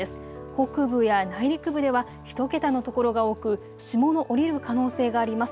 北部や内陸部では１桁の所が多く霜の降りる可能性があります。